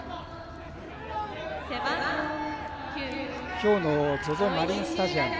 きょうのＺＯＺＯマリンスタジアム。